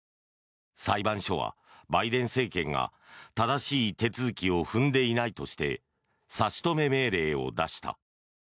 裁判所はバイデン政権が正しい手続きを踏んでいないとして差し止め命令を出した。